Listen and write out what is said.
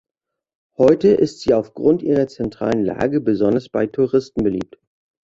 Heute ist sie aufgrund ihrer zentralen Lage besonders bei Touristen beliebt.